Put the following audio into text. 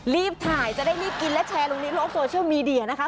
รีบถ่ายจะได้รีบกินและแชร์ลงในโลกโซเชียลมีเดียนะคะ